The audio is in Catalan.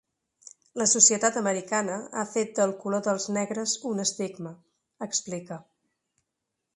La societat americana ha fet del color dels negres un estigma, explica.